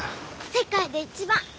世界で一番！